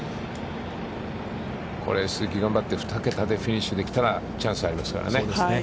これ鈴木頑張って、２桁でフィニッシュできたら、チャンスがありますからね。